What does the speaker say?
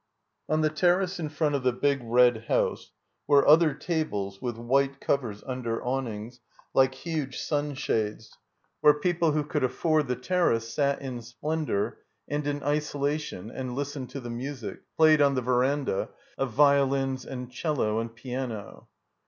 On the terrace in front of the big red house were other tables with white covers under awnings like huge sunshades, where people who cotdd afford the terrace sat in splendor and in isolation and listened to the music, played on the veranda, of violins and cello and piano.